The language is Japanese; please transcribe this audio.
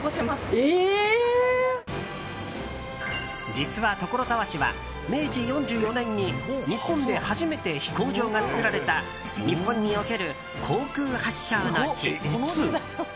実は所沢市は明治４４年に日本で初めて飛行場が作られた日本における航空発祥の地。